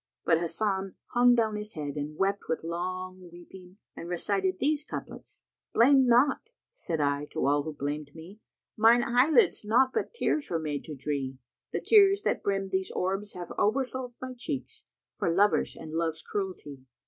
But Hasan hung down his head and wept with long weeping and recited these couplets, "'Blame not!' said I to all who blamčd me; * 'Mine eye lids naught but tears were made to dree:' The tears that brim these orbs have overflowed * My checks, for lovers and love's cruelty.